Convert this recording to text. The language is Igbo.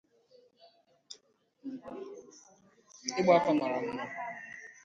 Ịgba afa mara mma